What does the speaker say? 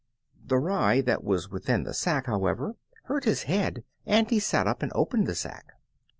The rye that was within the sack, however, hurt his head, and he sat up and opened the sack.